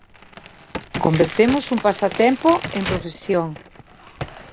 Convertemos un pasatempo en profesión.